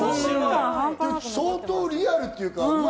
相当リアルっていうか。